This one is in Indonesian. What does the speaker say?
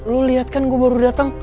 lu lihat kan gue baru datang